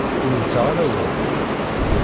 Ur nettaɣ ara awal.